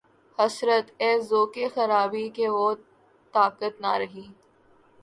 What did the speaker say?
حسرت! اے ذوقِ خرابی کہ‘ وہ طاقت نہ رہی